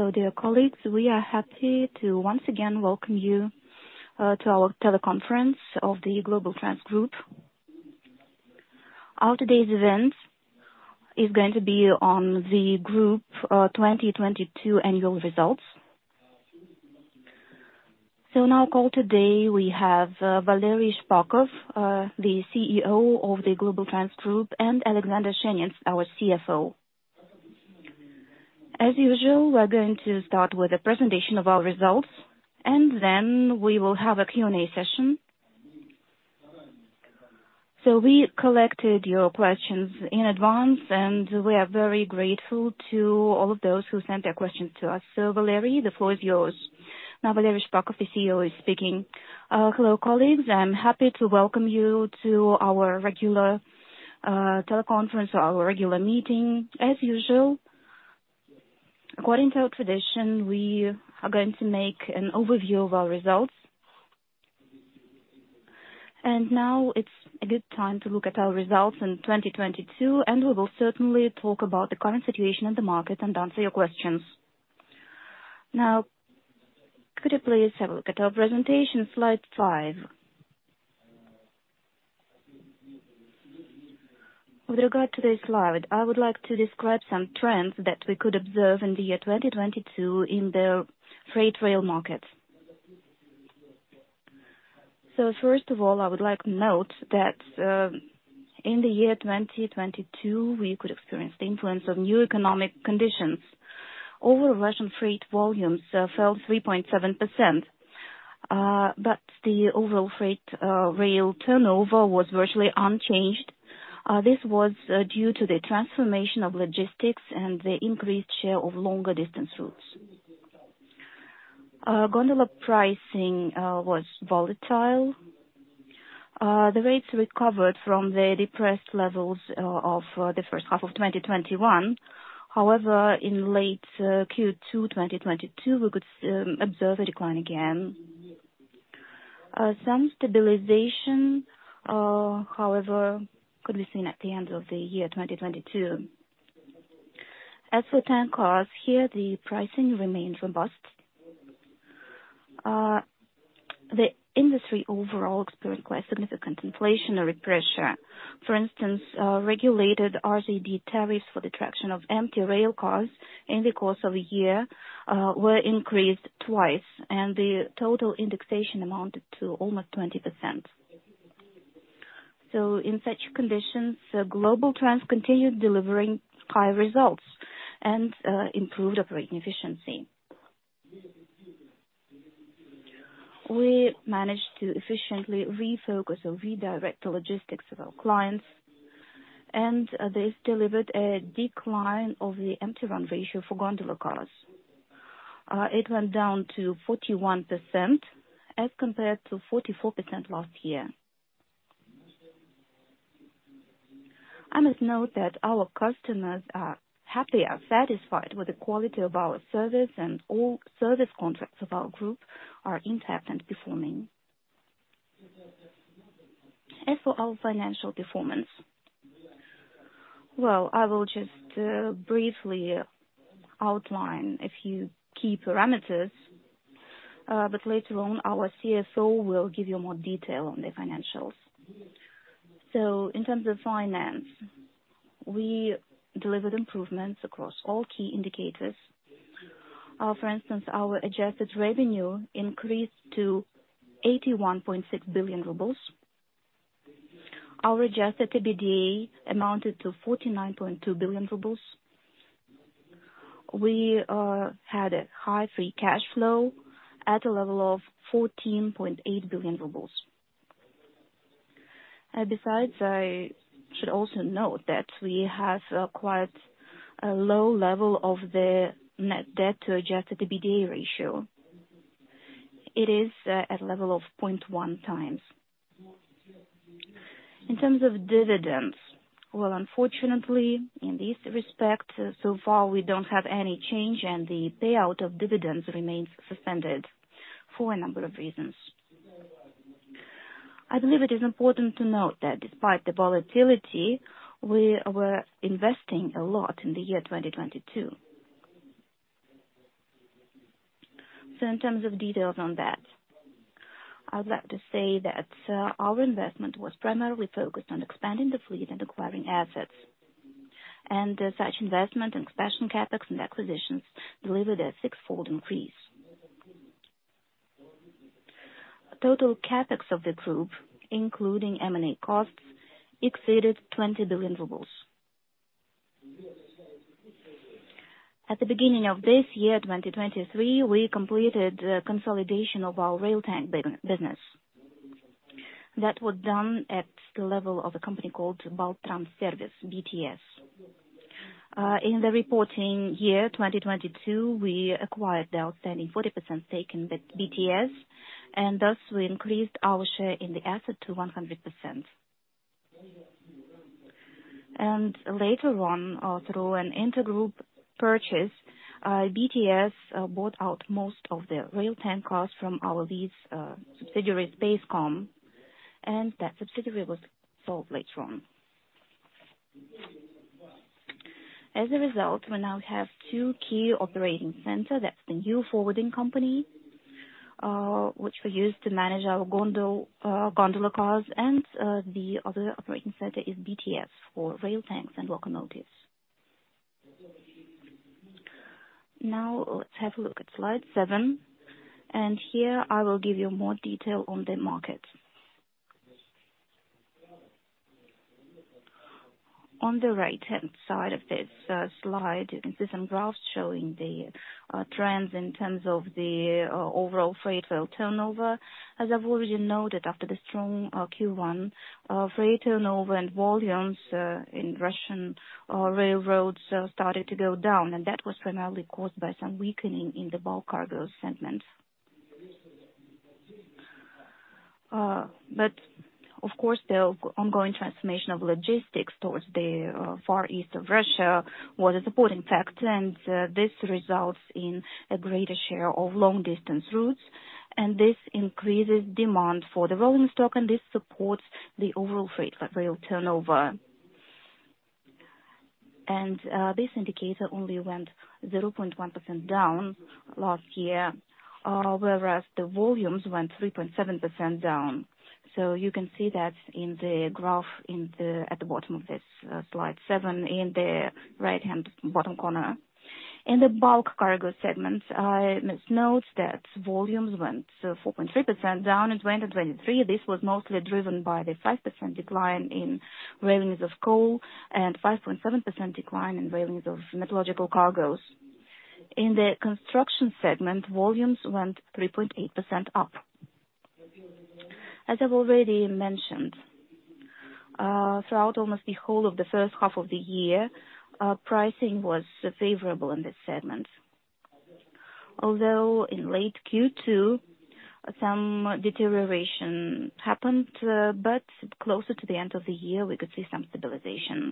Hello, dear colleagues. We are happy to once again welcome you to our teleconference of the Globaltrans Group. Our today's event is going to be on the Group 2022 annual results. On our call today we have Valery Shpakov, the CEO of the Globaltrans Group, and Alexander Shenets, our CFO. As usual, we're going to start with a presentation of our results, and then we will have a Q&A session. We collected your questions in advance, and we are very grateful to all of those who sent their questions to us. Valery, the floor is yours. Now Valery Shpakov, the CEO, is speaking. Hello colleagues. I'm happy to welcome you to our regular teleconference, our regular meeting as usual. According to our tradition, we are going to make an overview of our results. Now it's a good time to look at our results in 2022, and we will certainly talk about the current situation in the market and answer your questions. Could you please have a look at our presentation, slide five. With regard to this slide, I would like to describe some trends that we could observe in the year 2022 in the freight rail market. First of all, I would like to note that in the year 2022, we could experience the influence of new economic conditions. Overall Russian freight volumes fell 3.7%, but the overall freight rail turnover was virtually unchanged. This was due to the transformation of logistics and the increased share of longer distance routes. Gondola pricing was volatile. The rates recovered from the depressed levels of the first half of 2021. However, in late Q2 2022, we could observe a decline again. Some stabilization, however, could be seen at the end of the year 2022. As for tank cars, here the pricing remains robust. The industry overall experienced quite significant inflationary pressure. For instance, regulated RZD tariffs for the traction of empty rail cars in the course of a year were increased twice, and the total indexation amounted to almost 20%. In such conditions, Globaltrans continued delivering high results and improved operating efficiency. We managed to efficiently refocus or redirect the logistics of our clients, and this delivered a decline of the Empty Run Ratio for gondola cars. It went down to 41% as compared to 44% last year. I must note that our customers are happy and satisfied with the quality of our service and all Service Contracts of our Globaltrans Group are intact and performing. As for our financial performance. Well, I will just briefly outline a few key parameters, but later on our CFO will give you more detail on the financials. In terms of finance, we delivered improvements across all key indicators. For instance, our Adjusted Revenue increased to 81.6 billion rubles. Our Adjusted EBITDA amounted to 49.2 billion rubles. We had a high Free Cash Flow at a level of 14.8 billion rubles. Besides, I should also note that we have quite a low level of the Net Debt to Adjusted EBITDA ratio. It is at level of 0.1 times. In terms of dividends, well, unfortunately in this respect, so far we don't have any change and the payout of dividends remains suspended for a number of reasons. I believe it is important to note that despite the volatility, we were investing a lot in the year 2022. In terms of details on that, I would like to say that our investment was primarily focused on expanding the fleet and acquiring assets. Such investment and expansion CapEx and acquisitions delivered a six-fold increase. Total CapEx of the group, including M&A costs, exceeded RUB 20 billion. At the beginning of this year, 2023, we completed the consolidation of our rail tank business. That was done at the level of a company called BaltTrans Servis, BTS. In the reporting year, 2022, we acquired the outstanding 40% stake in the BTS, and thus we increased our share in the asset to 100%. Later on, through an intergroup purchase, BTS bought out most of the rail tank cars from our lease subsidiary, AS Spacecom, and that subsidiary was sold later on. As a result, we now have two key operating center. That's the New Forwarding Company, which we use to manage our gondola cars. The other operating center is BTS for rail tanks and locomotives. Now let's have a look at slide seven. Here I will give you more detail on the market. On the right-hand side of this slide, you can see some graphs showing the trends in terms of the overall Freight Rail Turnover. As I've already noted, after the strong Q1, freight turnover and volumes in Russian railroads started to go down, and that was primarily caused by some weakening in the bulk cargo segment. Of course, the ongoing transformation of logistics towards the far east of Russia was a supporting factor. This results in a greater share of long distance routes, and this increases demand for the rolling stock, and this supports the overall Freight Rail Turnover. This indicator only went 0.1% down last year, whereas the volumes went 3.7% down. You can see that in the graph at the bottom of this slide seven, in the right-hand bottom corner. In the bulk cargo segment, I must note that volumes went 4.3% down in 2023. This was mostly driven by the 5% decline in railings of coal and 5.7% decline in railings of metallurgical cargoes. In the construction segment, volumes went 3.8% up. As I've already mentioned, throughout almost the whole of the first half of the year, pricing was favorable in this segment. Although in late Q2 some deterioration happened, but closer to the end of the year we could see some stabilization.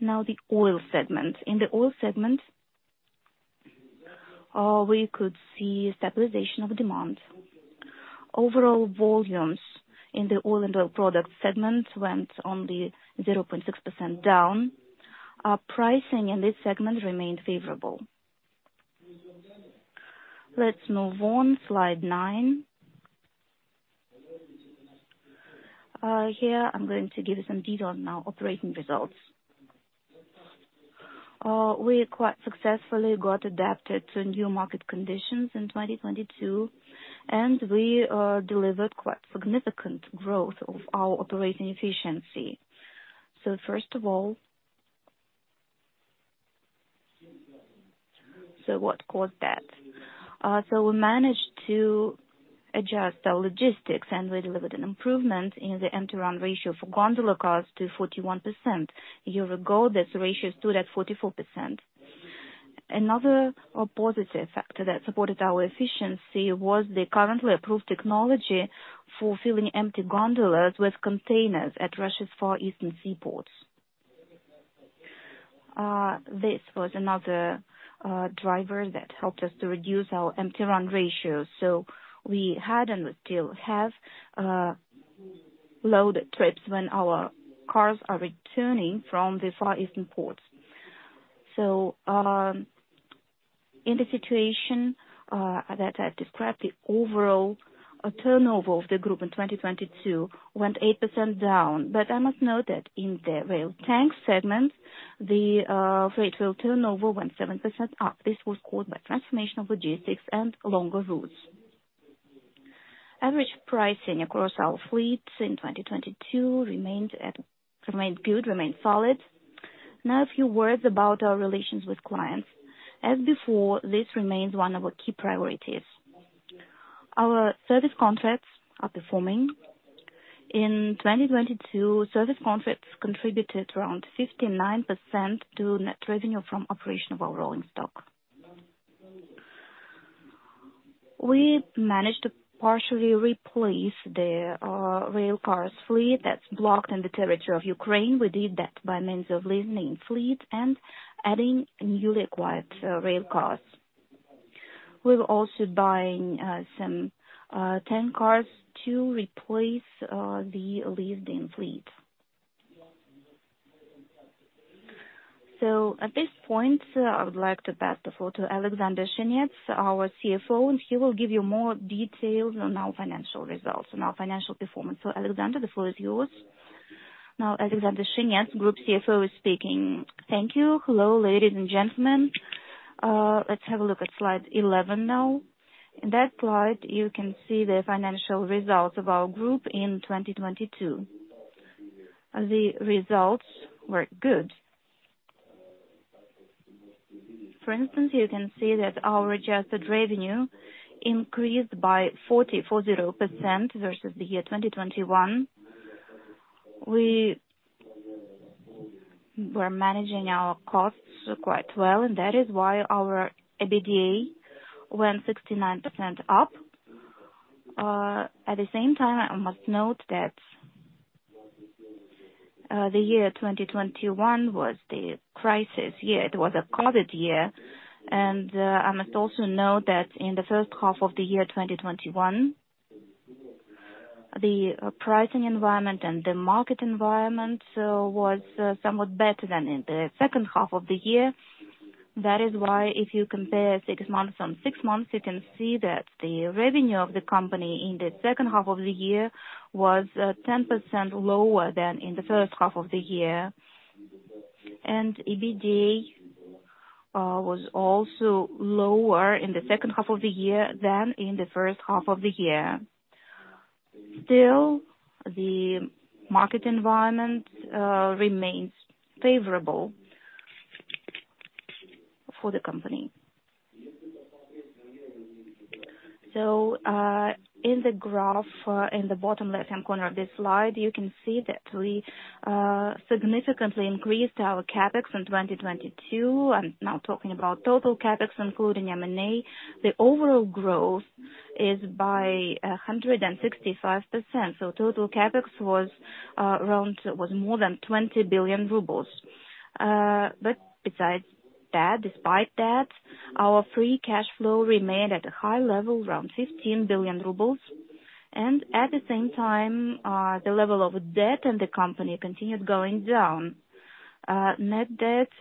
Now, the oil segment. In the oil segment, we could see stabilization of demand. Overall volumes in the oil and oil product segment went only 0.6% down. Pricing in this segment remained favorable. Let's move on. Slide nine. Here I'm going to give you some detail on our operating results. We quite successfully got adapted to new market conditions in 2022, and we delivered quite significant growth of our operating efficiency. First of all... What caused that? We managed to adjust our logistics, and we delivered an improvement in the Empty Run Ratio for gondola cars to 41%. A year ago, this ratio stood at 44%. Another positive factor that supported our efficiency was the currently approved technology for filling empty gondolas with containers at Russia's Far Eastern seaports. This was another driver that helped us to reduce our Empty Run Ratio. We had and still have loaded trips when our cars are returning from the Far Eastern ports. In the situation that I've described, the overall turnover of the group in 2022 went 8% down. I must note that in the rail tank segment, the Freight Rail Turnover went 7% up. This was caused by transformation of logistics and longer routes. Average pricing across our fleets in 2022 remained good, remained solid. A few words about our relations with clients. As before, this remains one of our key priorities. Our Service Contracts are performing. In 2022, Service Contracts contributed around 59% to Net Revenue from Operation of Rolling Stock. We managed to partially replace the rail cars fleet that's blocked in the territory of Ukraine. We did that by means of leasing fleet and adding newly acquired rail cars. We're also buying some tank cars to replace the leased-in fleet. At this point, I would like to pass the floor to Alexander Shenets, our CFO, and he will give you more details on our financial results and our financial performance. Alexander, the floor is yours. Now Alexander Shenets, Group CFO, is speaking. Thank you. Hello, ladies and gentlemen. Let's have a look at slide 11 now. In that slide you can see the financial results of our group in 2022. The results were good. For instance, you can see that our Adjusted Revenue increased by 40% versus the year 2021. We were managing our costs quite well and that is why our EBITDA went 69% up. At the same time, I must note that the year 2021 was the crisis year. It was a COVID year. I must also note that in the first half of the year 2021. The pricing environment and the market environment was somewhat better than in the second half of the year. If you compare six months on six months, you can see that the revenue of the company in the second half of the year was 10% lower than in the first half of the year. EBITDA was also lower in the second half of the year than in the first half of the year. The market environment remains favorable for the company. In the graph, in the bottom left-hand corner of this slide, you can see that we significantly increased our CapEx in 2022. I'm now talking about total CapEx, including M&A. The overall growth is by 165%. Total CapEx was more than 20 billion rubles. Besides that, despite that, our Free Cash Flow remained at a high level, around 15 billion rubles. At the same time, the level of debt in the company continued going down. Net Debt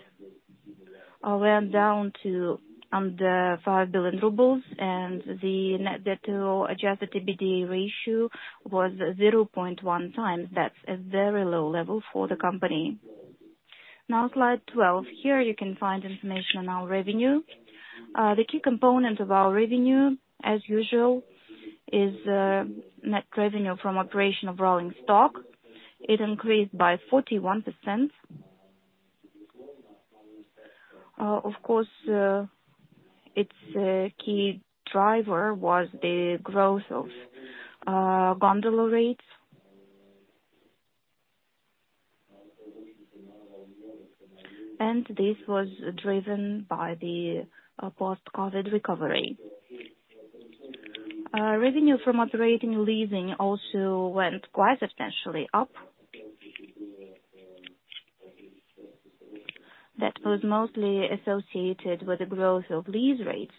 went down to under 5 billion rubles and the Net Debt to Adjusted EBITDA ratio was 0.1 times. That's a very low level for the company. Slide 12. Here you can find information on our revenue. The key component of our revenue, as usual, is Net Revenue from Operation of Rolling Stock. It increased by 41%. Of course, its key driver was the growth of gondola rates. This was driven by the post-COVID recovery. Revenue from operating and leasing also went quite substantially up. That was mostly associated with the growth of lease rates.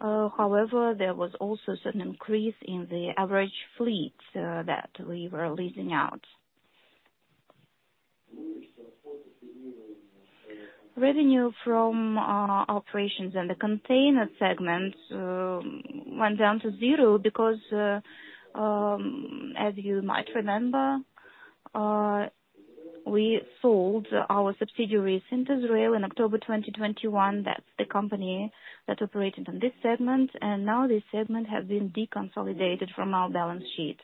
However, there was also some increase in the average fleet that we were leasing out. Revenue from operations in the container segment went down to zero because, as you might remember, we sold our subsidiary SyntezRail in October 2021. That's the company that operated on this segment, and now this segment has been deconsolidated from our balance sheet.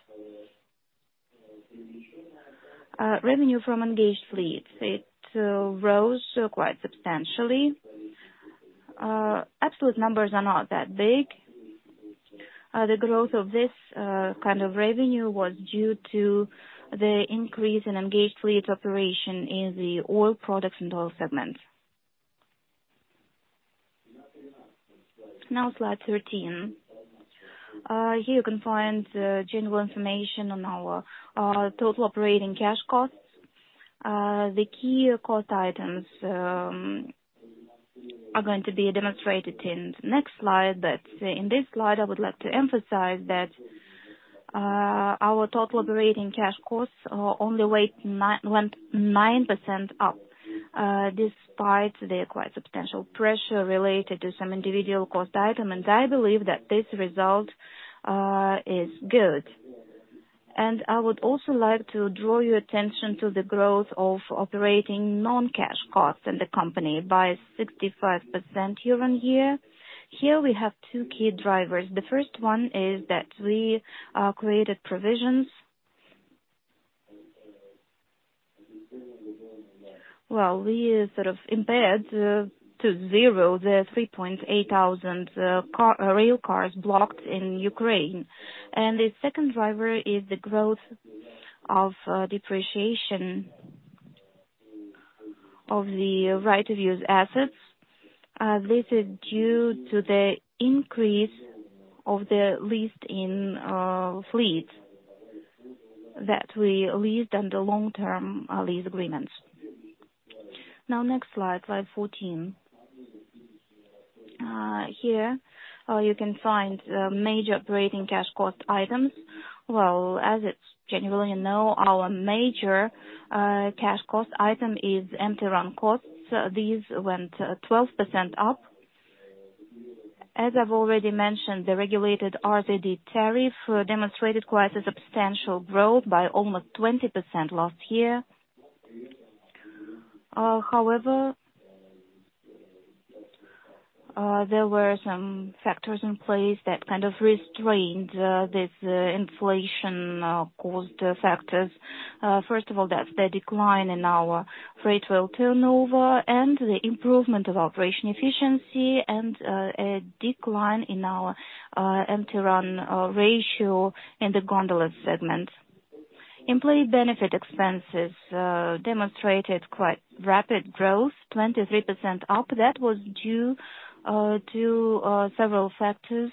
Revenue from Engaged Fleets, it rose quite substantially. Absolute numbers are not that big. The growth of this kind of revenue was due to the increase in Engaged Fleet operation in the oil products and oil segment. Now slide 13. Here you can find general information on our total operating cash costs. The key cost items are going to be demonstrated in the next slide. In this slide, I would like to emphasize that our total operating cash costs only went 9% up despite the quite substantial pressure related to some individual cost items. I believe that this result is good. I would also like to draw your attention to the growth of operating non-cash costs in the company by 65% year-on-year. Here we have two key drivers. The first one is that we created provisions. Well, we sort of impaired to zero the 3,800 car rail cars blocked in Ukraine. The second driver is the growth of depreciation of the right-of-use assets. This is due to the increase of the leased-in fleet that we leased under long-term lease agreements. Next slide 14. Here, you can find major operating cash cost items. Well, as it's generally known, our major cash cost item is empty run costs. These went 12% up. As I've already mentioned, the regulated RZD tariff demonstrated quite a substantial growth by almost 20% last year. However, there were some factors in place that kind of restrained this inflation cost factors. First of all, that's the decline in our Freight Rail Turnover and the improvement of operation efficiency and a decline in our Empty Run Ratio in the gondola segment. Employee benefit expenses demonstrated quite rapid growth, 23% up. That was due to several factors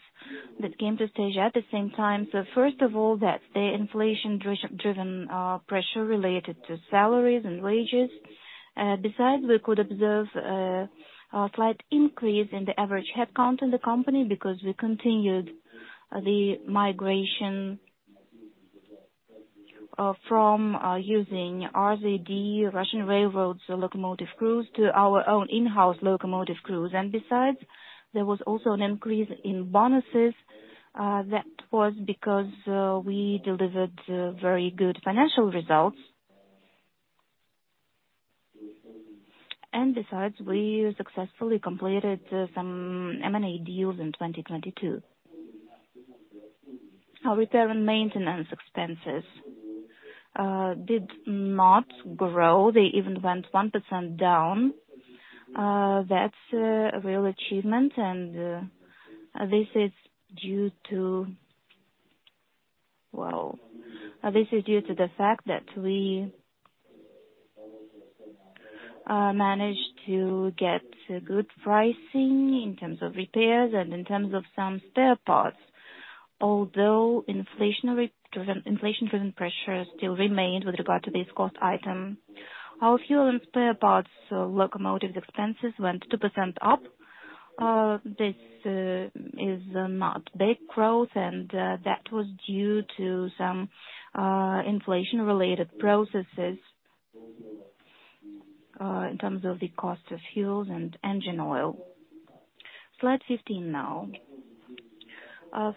that came to stage at the same time. First of all, that's the inflation-driven pressure related to salaries and wages. Besides, we could observe a slight increase in the average headcount in the company because we continued the migration from using RZD, Russian Railways' locomotive crews, to our own in-house locomotive crews. Besides, there was also an increase in bonuses that was because we delivered very good financial results. Besides, we successfully completed some M&A deals in 2022. Our repair and maintenance expenses did not grow. They even went 1% down. That's a real achievement, and this is due to... This is due to the fact that we managed to get good pricing in terms of repairs and in terms of some spare parts. Although inflationary driven, inflation-driven pressure still remained with regard to this cost item. Our fuel and spare parts, locomotive expenses went 2% up. This is not big growth, and that was due to some inflation-related processes in terms of the cost of fuels and engine oil. Slide 15 now.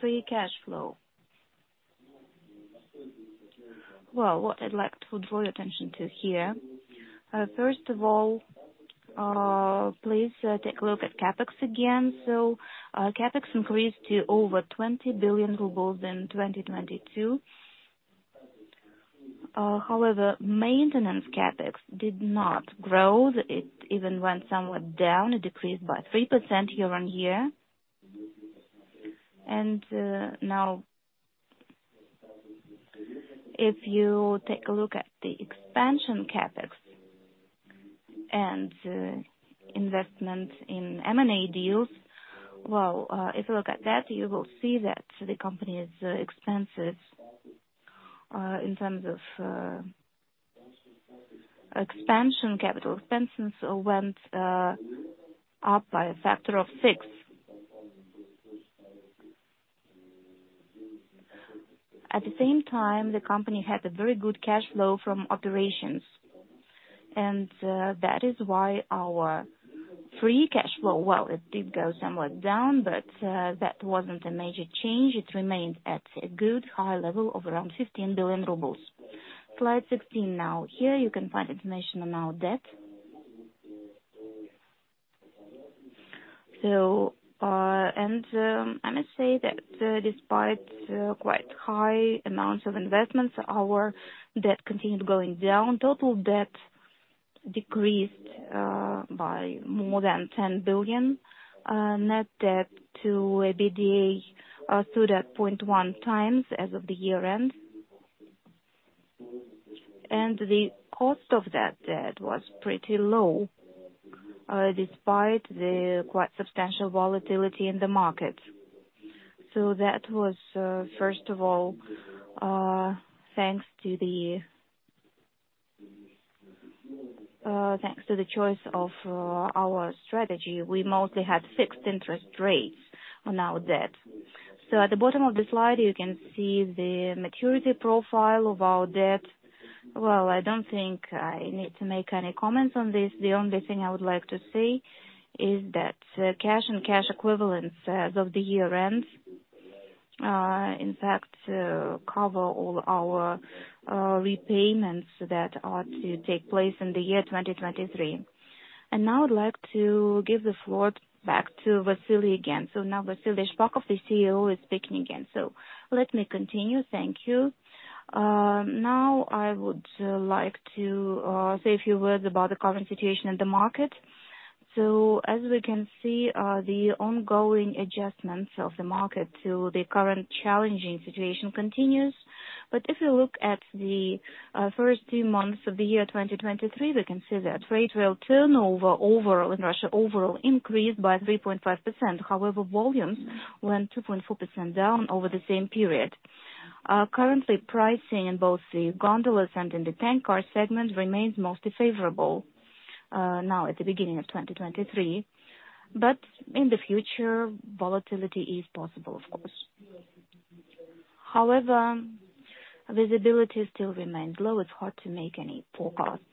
Free Cash Flow. What I'd like to draw your attention to here, first of all, please take a look at CapEx again. CapEx increased to over 20 billion rubles in 2022. However, maintenance CapEx did not grow. It even went somewhat down. It decreased by 3% year-on-year. Now if you take a look at the expansion CapEx and investment in M&A deals, well, if you look at that, you will see that the company is expensive in terms of expansion capital. Expenses went up by a factor of six. At the same time, the company had a very good cash flow from operations. That is why our Free Cash Flow, well, it did go somewhat down, but that wasn't a major change. It remained at a good high level of around 15 billion rubles. Slide 16 now. Here you can find information on our debt. I must say that despite quite high amounts of investments, our debt continued going down. Total debt decreased by more than 10 billion. Net Debt to EBITDA stood at 0.1 times as of the year-end. The cost of that debt was pretty low despite the quite substantial volatility in the market. That was first of all thanks to the thanks to the choice of our strategy. We mostly had fixed interest rates on our debt. At the bottom of the slide, you can see the maturity profile of our debt. Well, I don't think I need to make any comments on this. The only thing I would like to say is that cash and cash equivalents as of the year-end, in fact, cover all our repayments that are to take place in the year 2023. Now I'd like to give the floor back to Valery again. Now Valery Shpakov of the CEO is speaking again. Let me continue. Thank you. Now I would like to say a few words about the current situation in the market. As we can see, the ongoing adjustments of the market to the current challenging situation continues. If you look at the first two months of the year, 2023, we can see that Freight Rail Turnover overall in Russia overall increased by 3.5%. However, volumes went 2.4% down over the same period. Currently, pricing in both the gondolas and in the tank car segment remains mostly favorable, now at the beginning of 2023. In the future, volatility is possible, of course. However, visibility still remains low. It's hard to make any forecasts.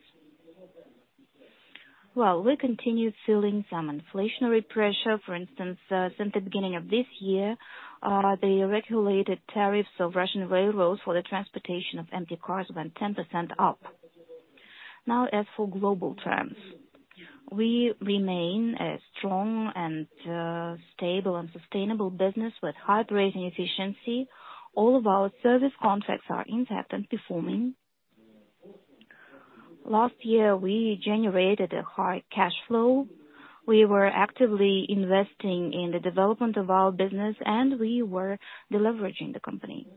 Well, we continue feeling some inflationary pressure. For instance, since the beginning of this year, the regulated tariffs of Russian Railways for the transportation of empty cars went 10% up. Now as for Globaltrans, we remain a strong and stable and sustainable business with high rating efficiency. All of our Service Contracts are intact and performing. Last year, we generated a high cash flow. We were actively investing in the development of our business, and we were deleveraging the company.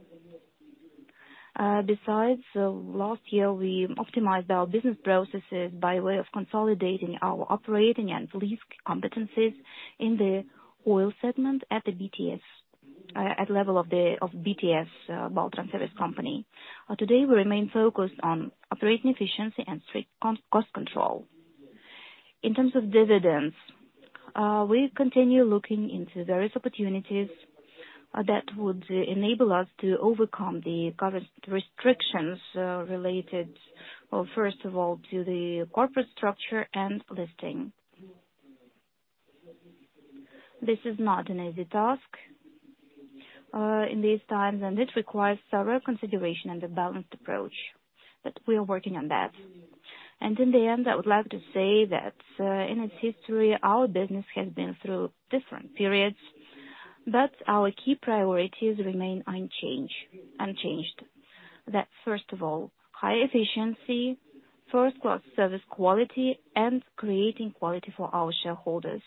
Besides, last year, we optimized our business processes by way of consolidating our operating and lease competencies in the oil segment at the BTS. At the level of BTS, BaltTrans Servis. Today, we remain focused on operating efficiency and strict cost control. In terms of dividends, we continue looking into various opportunities that would enable us to overcome the current restrictions related, well, first of all, to the corporate structure and listing. This is not an easy task in these times, and it requires thorough consideration and a balanced approach. We are working on that. In the end, I would like to say that in its history, our business has been through different periods, but our key priorities remain unchanged. That first of all, high efficiency, first-class service quality, and creating quality for our shareholders.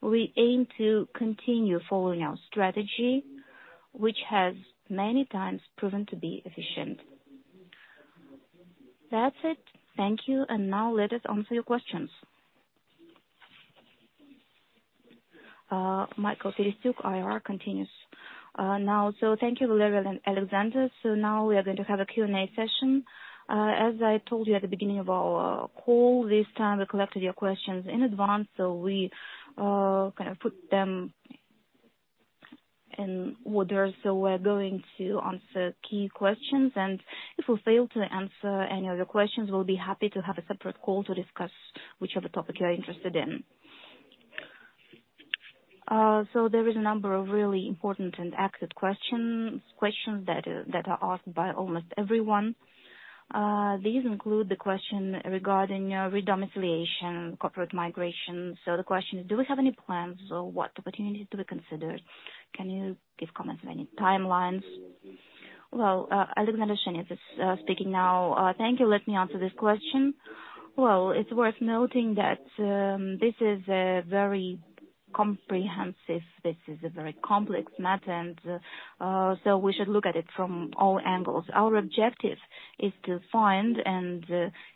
We aim to continue following our strategy, which has many times proven to be efficient. That's it. Thank you. Now let us answer your questions. Mikhail Perestyuk, IR continues now. Thank you, Valery and Alexander. Now we are going to have a Q&A session. As I told you at the beginning of our call, this time we collected your questions in advance, so we kind of put them in order. We're going to answer key questions, and if we fail to answer any of your questions, we'll be happy to have a separate call to discuss whichever topic you are interested in. There is a number of really important and asked questions that are asked by almost everyone. These include the question regarding re-domiciliation, corporate migration. The question is, do we have any plans or what opportunities do we consider? Can you give comments of any timelines? Alexander Shenets is speaking now. Thank you. Let me answer this question. It's worth noting that this is a very comprehensive, this is a very complex matter. We should look at it from all angles. Our objective is to find and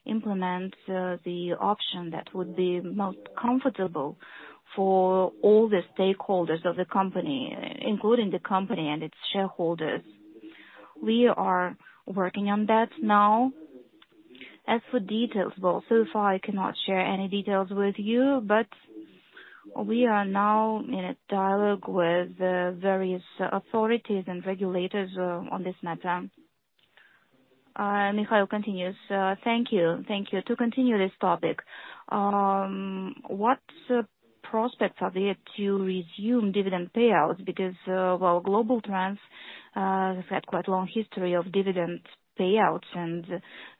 implement the option that would be most comfortable for all the stakeholders of the company, including the company and its shareholders. We are working on that now. Well, so far I cannot share any details with you, but we are now in a dialogue with various authorities and regulators on this matter. Mikhail continues. Thank you. Thank you. To continue this topic, what prospects are there to resume dividend payouts? Well, Globaltrans has had quite a long history of dividend payouts, and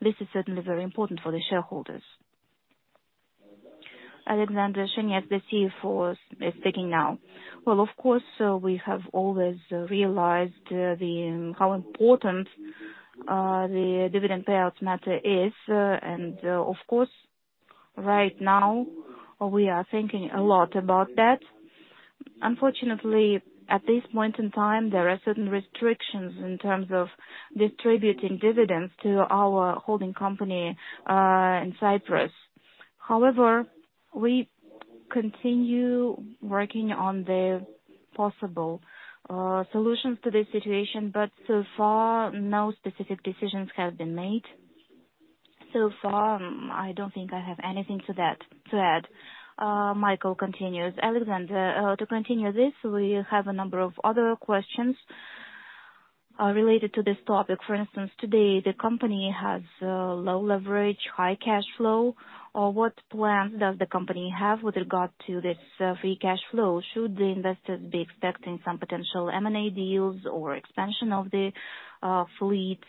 this is certainly very important for the shareholders. Alexander Shenets, the CFO, is speaking now. Well, of course, we have always realized the how important the dividend payouts matter is. Of course, right now, we are thinking a lot about that. Unfortunately, at this point in time, there are certain restrictions in terms of distributing dividends to our holding company in Cyprus. However, we continue working on the possible solutions to this situation. So far, no specific decisions have been made. I don't think I have anything to that, to add. Mikhail continues. Alexander Shenets, to continue this, we have a number of other questions related to this topic. For instance, today the company has low leverage, high cash flow. What plans does the company have with regard to this Free Cash Flow? Should the investors be expecting some potential M&A deals or expansion of the fleet?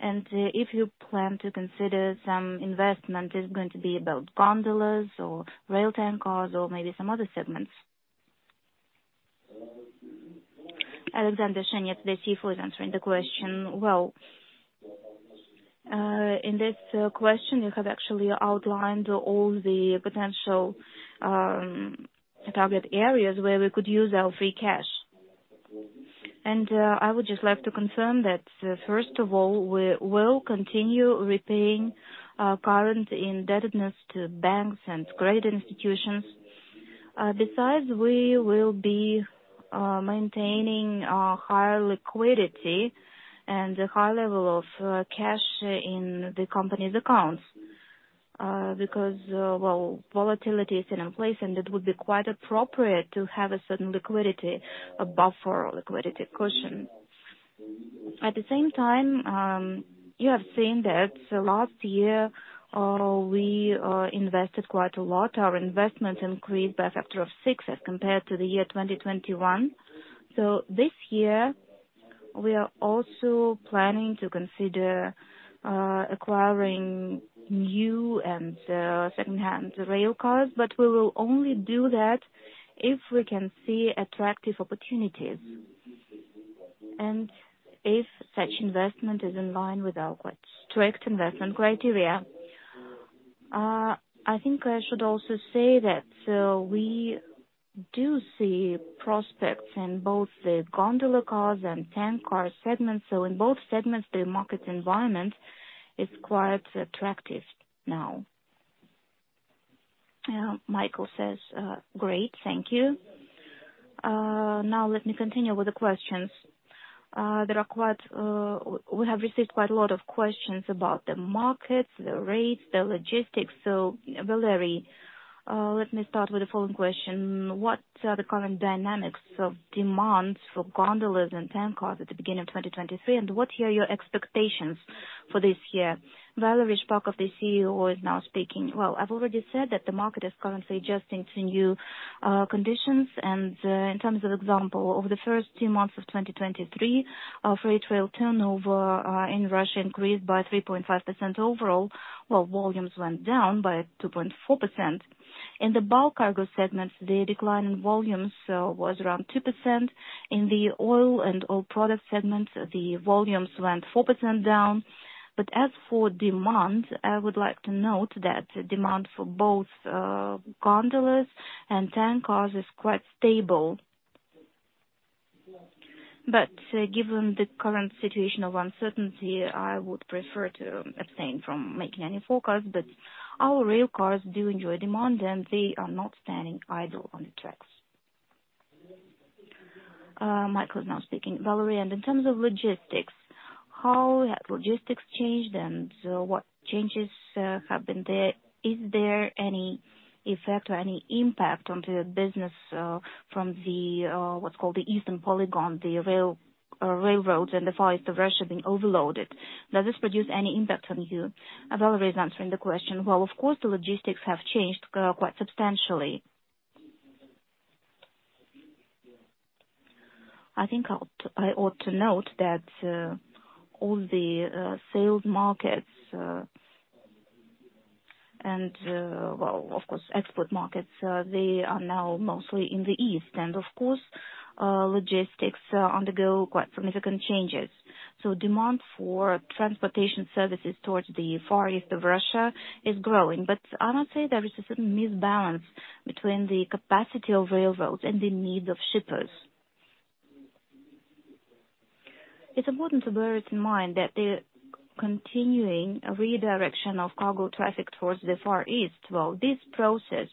If you plan to consider some investment, is it going to be about gondolas or rail tank cars or maybe some other segments? Alexander Shenets, the CFO, is answering the question. Well, in this question, you have actually outlined all the potential target areas where we could use our free cash. I would just like to confirm that, first of all, we will continue repaying our current indebtedness to banks and credit institutions. Besides, we will be maintaining a higher liquidity and a high level of cash in the company's accounts, because, well, volatility is in a place, and it would be quite appropriate to have a certain liquidity, a buffer or liquidity cushion. At the same time, you have seen that last year, we invested quite a lot. Our investment increased by a factor of six as compared to the year 2021. This year we are also planning to consider acquiring new and second-hand rail cars, but we will only do that if we can see attractive opportunities and if such investment is in line with our quite strict investment criteria. I think I should also say that we do see prospects in both the gondola cars and tank car segments. In both segments, the market environment is quite attractive now. Yeah. Mikhail says, great, thank you. Now let me continue with the questions. There are quite. We have received quite a lot of questions about the markets, the rates, the logistics. Valery, let me start with the following question. What are the current dynamics of demands for gondolas and tank cars at the beginning of 2023, and what are your expectations for this year? Valery Shpakov, the CEO, is now speaking. Well, I've already said that the market is currently adjusting to new conditions. In terms of example, over the first two months of 2023, our Freight Rail Turnover in Russia increased by 3.5% overall. While volumes went down by 2.4%. In the bulk cargo segment, the decline in volumes was around 2%. In the oil and oil product segment, the volumes went 4% down. As for demand, I would like to note that demand for both gondolas and tank cars is quite stable. Given the current situation of uncertainty, I would prefer to abstain from making any forecast. Our rail cars do enjoy demand, and they are not standing idle on the tracks. Mikhail is now speaking. Valery, in terms of logistics, how have logistics changed, and what changes have been there? Is there any effect or any impact onto your business from the what's called the eastern polygon, the rail railroads and the Far East of Russia being overloaded? Does this produce any impact on you? Valery is answering the question. Well, of course, the logistics have changed quite substantially. I think I ought to note that all the sales markets and well, of course, export markets, they are now mostly in the East. Of course, logistics undergo quite significant changes. Demand for transportation services towards the Far East of Russia is growing. Honestly, there is a certain misbalance between the capacity of railroads and the needs of shippers. It's important to bear it in mind that the continuing redirection of cargo traffic towards the Far East, while this process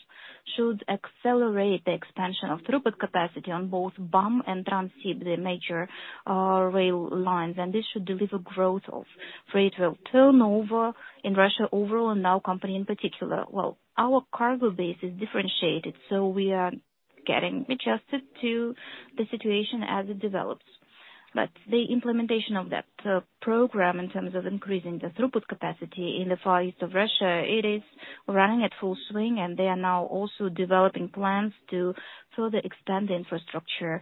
should accelerate the expansion of throughput capacity on both BAM and Transsib, the major rail lines, and this should deliver growth of freight rail turnover in Russia overall and our company in particular. Our cargo base is differentiated, so we are getting adjusted to the situation as it develops. The implementation of that program in terms of increasing the throughput capacity in the Far East of Russia, it is running at full swing, and they are now also developing plans to further expand the infrastructure,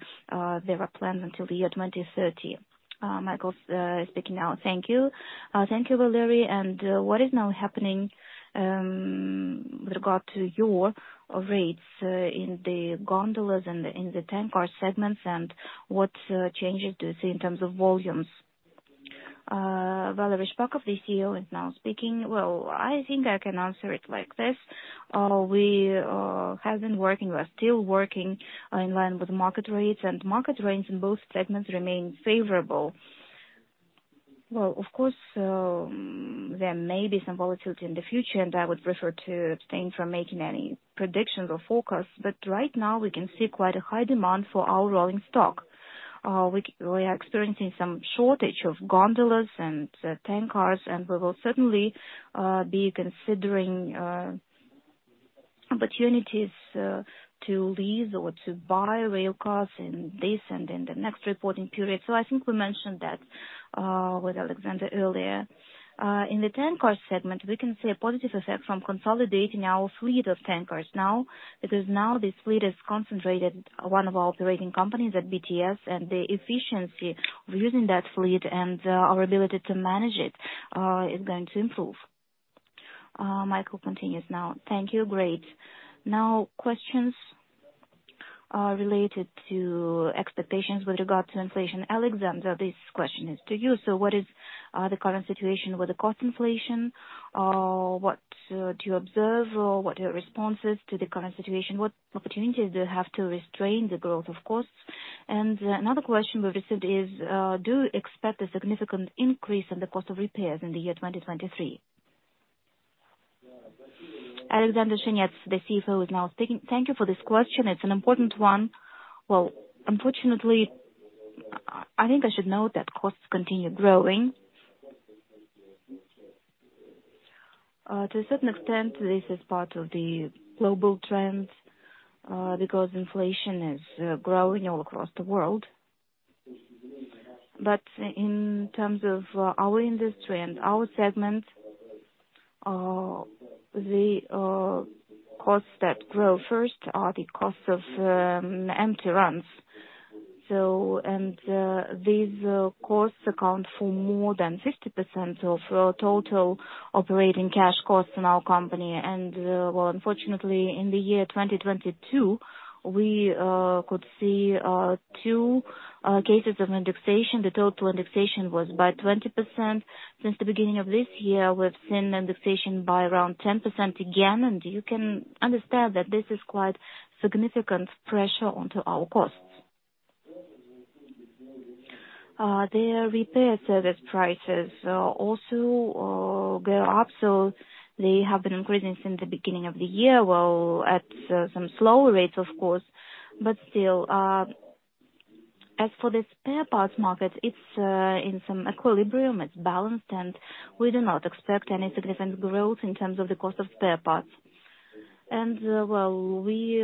their plan until the year 2030. Mikhail is speaking now. Thank you. Thank you, Valery. What is now happening with regard to your rates in the gondolas and in the tank car segments, and what changes do you see in terms of volumes? Valery Shpakov, the CEO, is now speaking. Well, I think I can answer it like this. We have been working, we are still working in line with market rates, and market rates in both segments remain favorable. Well, of course, there may be some volatility in the future, and I would prefer to abstain from making any predictions or forecasts. Right now we can see quite a high demand for our rolling stock. We are experiencing some shortage of gondolas and tank cars, and we will certainly be considering opportunities to lease or to buy rail cars in this and in the next reporting period. I think we mentioned that with Alexander earlier. In the tank car segment, we can see a positive effect from consolidating our fleet of tank cars now, because now this fleet is concentrated one of our operating companies at BTS, and the efficiency of using that fleet and our ability to manage it is going to improve. Mikhail continues now. Thank you. Great. Questions related to expectations with regard to inflation. Alexander, this question is to you. What is the current situation with the cost inflation? What do you observe or what are your responses to the current situation? What opportunities do you have to restrain the growth, of course? Another question we received is, do you expect a significant increase in the cost of repairs in the year 2023? Alexander Shenets, the CFO, is now speaking. Thank you for this question. It's an important one. Well, unfortunately, I think I should note that costs continue growing. To a certain extent, this is part of the global trends, because inflation is growing all across the world. In terms of our industry and our segment, the costs that grow first are the costs of empty runs. These costs account for more than 50% of total operating cash costs in our company. Well, unfortunately, in the year 2022, we could see two cases of indexation. The total indexation was by 20%. Since the beginning of this year, we've seen indexation by around 10% again, and you can understand that this is quite significant pressure onto our costs. Their repair service prices also go up. They have been increasing since the beginning of the year while at some slower rates of course, but still. As for the spare parts market, it's in some equilibrium, it's balanced, and we do not expect any significant growth in terms of the cost of spare parts. Well, we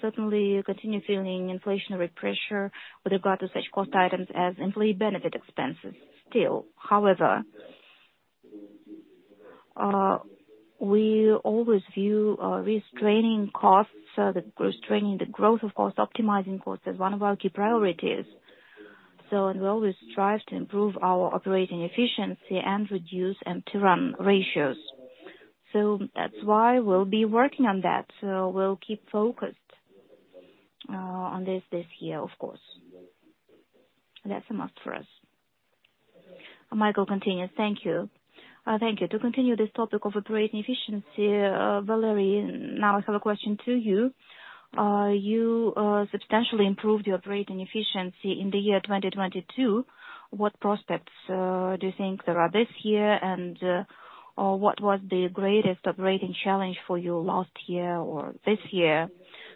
certainly continue feeling inflationary pressure with regard to such cost items as employee benefit expenses. Still, however, we always view restraining costs, restraining the growth of cost, optimizing costs, as one of our key priorities. We always strive to improve our operating efficiency and reduce empty run ratios. That's why we'll be working on that. We'll keep focused on this year, of course. That's a must for us. Mikhail continues. Thank you. Thank you. To continue this topic of operating efficiency, Valery, now I have a question to you. You substantially improved your operating efficiency in the year 2022. What prospects do you think there are this year, and what was the greatest operating challenge for you last year or this year?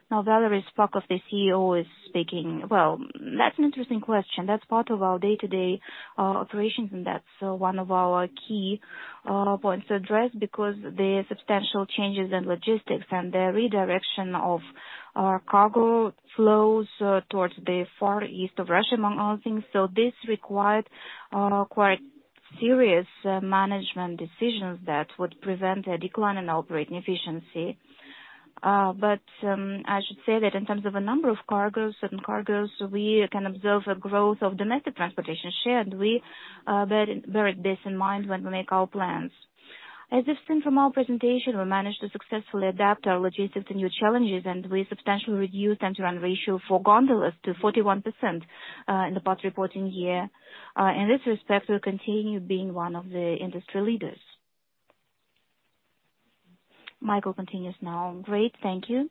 Now, Valery Shpakov, the CEO, is speaking. That's an interesting question. That's part of our day-to-day operations, and that's one of our key points to address because there are substantial changes in logistics and the redirection of our cargo flows towards the far east of Russia, among other things. This required quite serious management decisions that would prevent a decline in operating efficiency. I should say that in terms of a number of cargoes, certain cargoes, we can observe a growth of domestic transportation share, and we bear this in mind when we make our plans. As you've seen from our presentation, we managed to successfully adapt our logistics to new challenges, and we substantially reduced Empty Run Ratio for gondolas to 41% in the past reporting year. In this respect, we'll continue being one of the industry leaders. Mikhail continues. Great, thank you.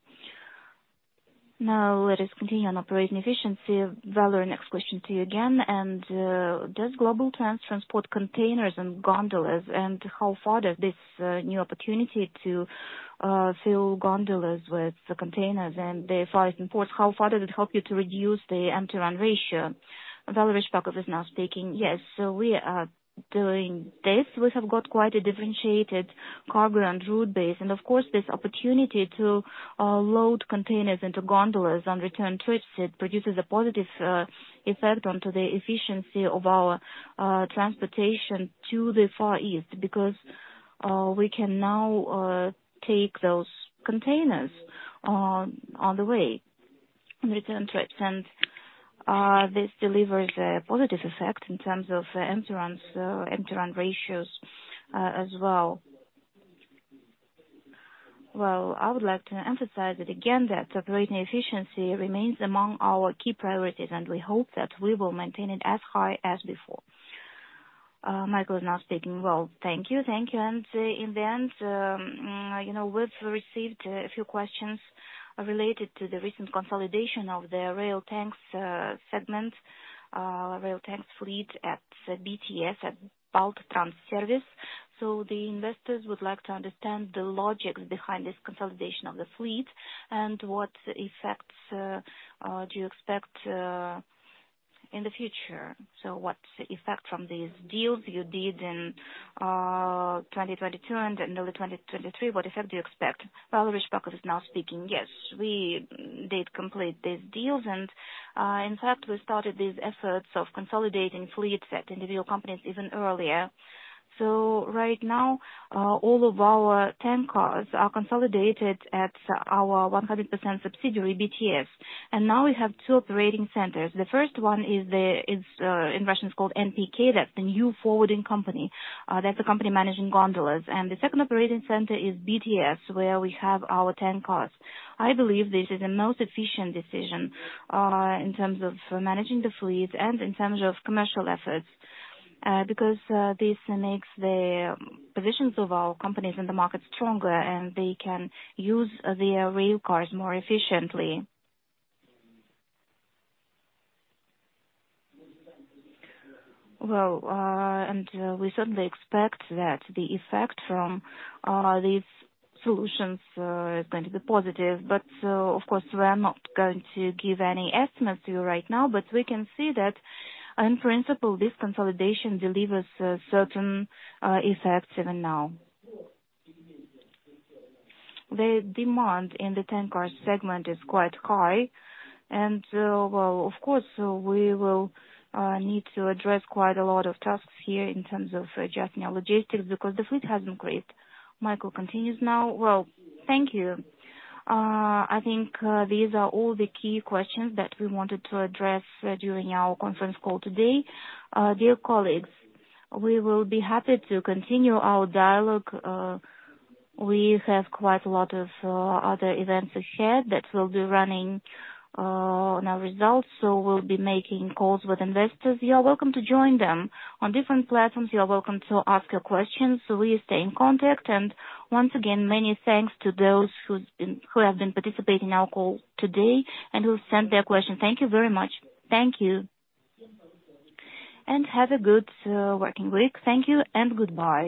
Let us continue on operating efficiency. Valery, next question to you again. Does Globaltrans transport containers and gondolas, and how far does this new opportunity to fill gondolas with the containers and the Far East and ports, how far does it help you to reduce the Empty Run Ratio? Valery Shpakov is now speaking. Yes. We are doing this. We have got quite a differentiated cargo and route base. Of course, this opportunity to load containers into gondolas on return trips, it produces a positive effect onto the efficiency of our transportation to the Far East because we can now take those containers on the way in return trips. This delivers a positive effect in terms of empty runs, empty run ratios, as well. Well, I would like to emphasize it again that operating efficiency remains among our key priorities, and we hope that we will maintain it as high as before. Mikhail is now speaking. Well, thank you. Thank you. in the end, you know, we've received a few questions related to the recent consolidation of the rail tanks segment, rail tanks fleet at BTS, at BaltTrans Servis. The investors would like to understand the logic behind this consolidation of the fleet and what effects do you expect in the future. What effect from these deals you did in 2022 and early 2023, what effect do you expect? Valery Shpakov is now speaking. Yes, we did complete these deals, in fact, we started these efforts of consolidating fleets at individual companies even earlier. Right now, all of our tank cars are consolidated at our 100% subsidiary, BTS. Now we have two operating centers. The first one is in Russian it's called NPK. That's the New Forwarding Company. That's the company managing gondolas. The second operating center is BTS, where we have our tank cars. I believe this is the most efficient decision in terms of managing the fleet and in terms of commercial efforts because this makes the positions of our companies in the market stronger, and they can use their rail cars more efficiently. We certainly expect that the effect from these solutions is going to be positive. Of course, we are not going to give any estimates to you right now. We can see that in principle, this consolidation delivers a certain effect even now. The demand in the tank car segment is quite high. Well, of course, we will need to address quite a lot of tasks here in terms of adjusting our logistics because the fleet has increased. Mikhail continues now. Well, thank you. I think these are all the key questions that we wanted to address during our conference call today. Dear colleagues, we will be happy to continue our dialogue. We have quite a lot of other events ahead that will be running on our results, we'll be making calls with investors. You are welcome to join them. On different platforms, you are welcome to ask your questions, we stay in contact. Once again, many thanks to those who have been participating in our call today and who sent their questions. Thank you very much. Thank you. Have a good working week. Thank you and goodbye.